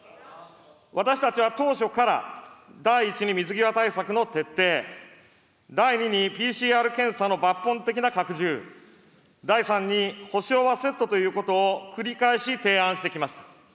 私たちは当初から、第１に水際対策の徹底、第２にＰＣＲ検査の抜本的な拡充、第３に補償はセットということを繰り返し提案してきました。